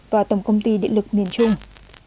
và tổng công ty điện lực miền trung